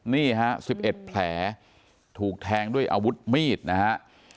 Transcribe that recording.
นี่ฮะ๑๑แผลถูกแทงด้วยอาวุธมีดนะฮะ